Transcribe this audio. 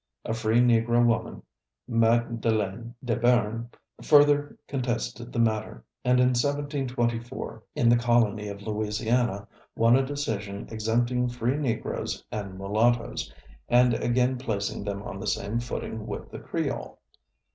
A free Negro woman, Magdelaine Debern, further contested the matter, and in 1724, in the colony of Louisiana, won a decision exempting free Negroes and Mulattoes, and again placing them on the same footing with the Creole.